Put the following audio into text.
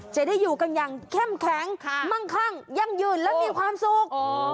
จะได้อยู่กันอย่างเข้มแข็งมั่งคั่งยั่งยืนและมีความสุข